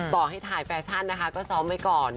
ต่อให้ถ่ายแฟชั่นนะคะก็ซ้อมไว้ก่อน